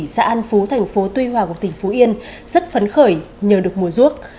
xã an phú thành phố tuy hòa của tỉnh phú yên rất phấn khởi nhờ được mùa ruốc